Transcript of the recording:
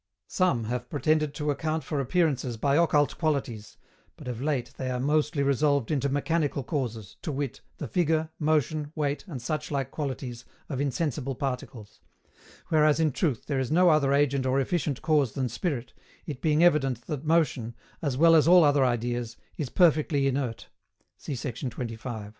Some have pretended to account for appearances by occult qualities, but of late they are mostly resolved into mechanical causes, to wit, the figure, motion, weight, and suchlike qualities, of insensible particles; whereas, in truth, there is no other agent or efficient cause than spirit, it being evident that motion, as well as all other ideas, is perfectly inert. See sect. 25.